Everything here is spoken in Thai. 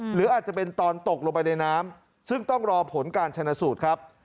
หรืออาจจะเป็นตอนตกลงไปในน้ำซึ่งต้องรอผลการชนะสูตรครับ